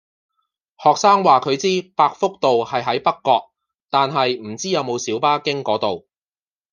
學生話佢知百福道係喺北角，但係唔知有冇小巴經嗰度